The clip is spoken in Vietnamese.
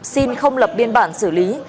xin không lập biên bản xử lý